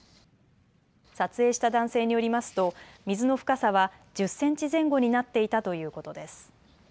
撮影した男性によりますと水の深さは１０センチ前後になっていたということです。